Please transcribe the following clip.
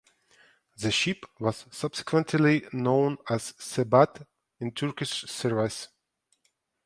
The ship was subsequently known as "Sebat" in Turkish service.